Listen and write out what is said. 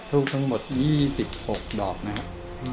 ทูบทั้งหมดยี่สิบหกดอกนะครับ